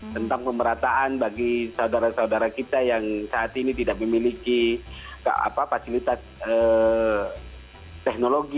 tentang pemerataan bagi saudara saudara kita yang saat ini tidak memiliki fasilitas teknologi